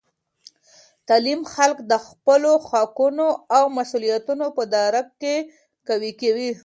تعلیم خلک د خپلو حقونو او مسؤلیتونو په درک کې قوي کوي.